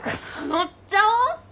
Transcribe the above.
乗っちゃおう！